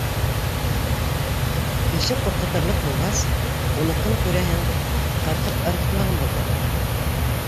Кеше ҡурҡытырлыҡ булғас, уныҡын, күрәһең, ҡырҡып ырғытмаған булғандар.